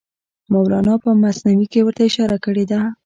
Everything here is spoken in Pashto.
مولانا په مثنوي کې ورته اشاره کړې ده.